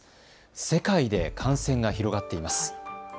世界で感染が広がっています。